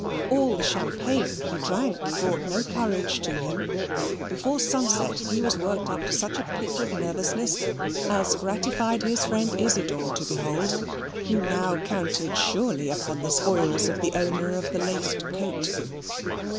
All the champagne he drank brought no courage to him. Before sunset he was worked up to such a pitch of nervousness as gratified his friend Isidor to behold, who now counted surely upon the spoils of the owner of the laced coat.